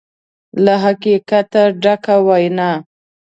له حقیقته ډکه وینا